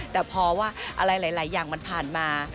แต่พอว่าอะไรหลายอย่างมันผ่านมา